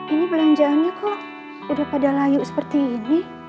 ini belanjaannya kok udah pada layu seperti ini